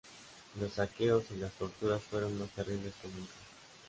Los saqueos y las torturas fueron más terribles que nunca.